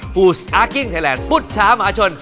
บุษอาร์กิ้งไทยแลนด์บุษชามหาชน